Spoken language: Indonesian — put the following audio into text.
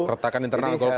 pertakan internal golkar